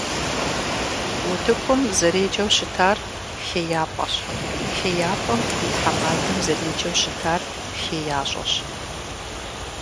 УтыкӀум зэреджэу щытар «ХеяпӀэщ», ХейяпӀэм и тхьэмадэм зэреджэу щытар «ХеящӀэщ».